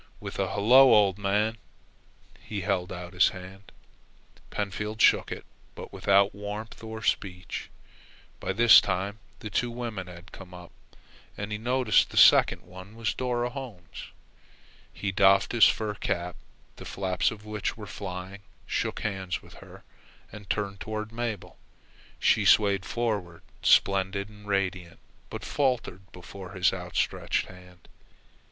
With a "Hello, old man," he held out his hand. Pentfield shook it, but without warmth or speech. By this time the two women had come up, and he noticed that the second one was Dora Holmes. He doffed his fur cap, the flaps of which were flying, shook hands with her, and turned toward Mabel. She swayed forward, splendid and radiant, but faltered before his outstretched hand.